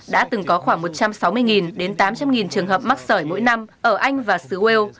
đã từng có khoảng một trăm sáu mươi đến tám trăm linh trường hợp mắc sổi mỗi năm ở anh và sứu âu